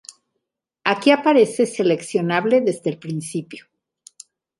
Aquí aparece seleccionable desde el principio.